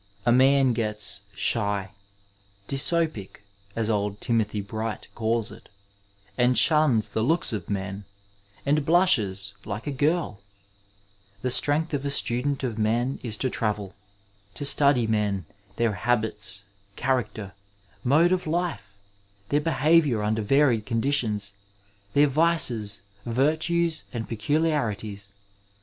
A man gets shy, *^ dysopic/' as old Timothy Bright calls it, and shuns the looks of men, and blushes like a girL The strength of a student of men is to travel — ^to study men, their habits, character, mode of life, their behaviour under varied conditions, their vices, virtues, and peculiarities.